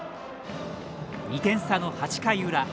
２点差の８回裏。